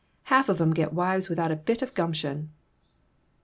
Half of 'em get wives without a bit of gumption."